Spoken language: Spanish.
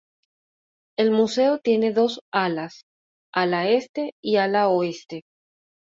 El museo tiene dos alas: ala este y ala oeste.